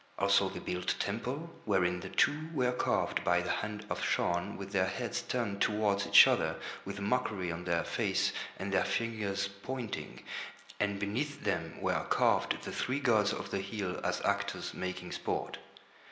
Also they built a temple wherein the Two were carved by the hand of Shaun with their heads turned towards each other, with mockery on Their faces and Their fingers pointing, and beneath Them were carved the three gods of the hill as actors making sport.